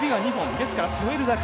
だから、添えるだけ。